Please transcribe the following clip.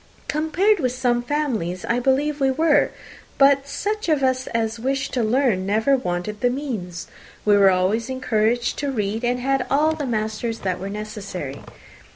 "Compared with some families, I believe we were; but such of us as wished to learn never wanted the means. We were always encouraged to read, and had all the masters that were necessary.